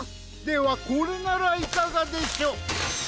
ではこれならいかがでしょ？